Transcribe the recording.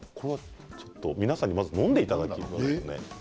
皆さんに、まず飲んでいただきましょうかね。